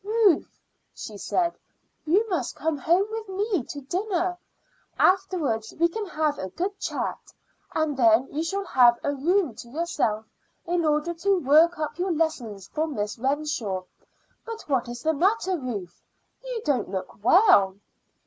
"Ruth," she said, "you must come home with, me to dinner. Afterwards we can have a good chat; and then you shall have a room to yourself in order to work up your lessons for Miss Renshaw. But what is the matter, Ruth? You don't look well."